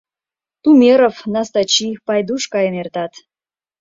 Тумеров, Настачи, Пайдуш каен эртат.